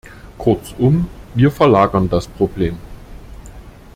Kurzum, wir verlagern das Problem.